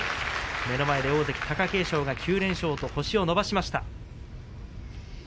目の前で大関貴景勝が９連勝と星を伸ばしました。